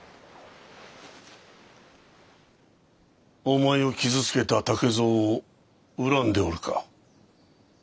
お前を傷つけた竹蔵を恨んでおるか？